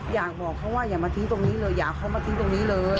อยากบอกเขาว่าอย่ามาทิ้งตรงนี้เลยอย่าเอาเขามาทิ้งตรงนี้เลย